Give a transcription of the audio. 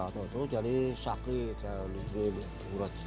terus jadi sakit